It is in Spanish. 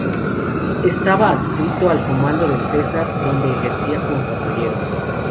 Estaba adscrito al comando del Cesar donde ejercía como patrullero.